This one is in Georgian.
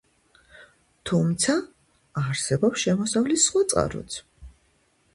თუმცა, არსებობს შემოსავლის სხვა წყაროც.